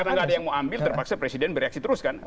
karena nggak ada yang mau ambil terpaksa presiden bereaksi terus kan